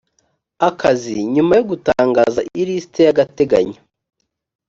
akazi nyuma yo gutangaza ilisiti y agateganyo